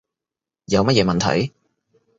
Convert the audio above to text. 有乜嘢問題